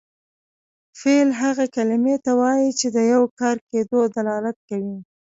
فعل هغې کلمې ته وایي چې د یو کار کیدو دلالت کوي.